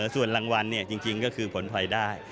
ส่วนรางวัลจริงก็คือผลพลอยได้